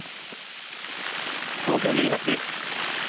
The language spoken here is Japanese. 東京・練馬区です。